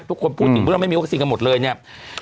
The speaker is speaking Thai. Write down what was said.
ทุกคนพูดถึงเรื่องไม่มีวัคซีนกันหมดเลยเนี่ย